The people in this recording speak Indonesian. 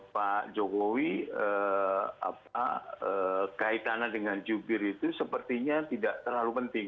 pak jokowi kaitannya dengan jubir itu sepertinya tidak terlalu penting